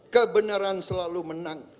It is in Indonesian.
kebenaran selalu menang